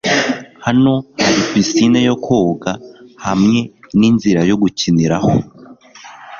Hano hari pisine yo koga hamwe ninzira yo gukiniraho.